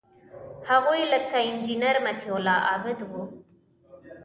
هغوی لکه انجینیر مطیع الله عابد وو.